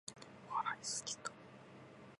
笑いすぎた